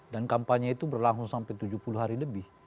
dan kampanye itu berlangsung sampai tujuh puluh hari lebih